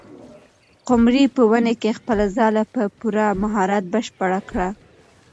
قمرۍ په ونې کې خپله ځالۍ په پوره مهارت بشپړه کړه.